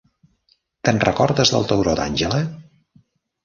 Te'n recordes del tauró d'Àngela?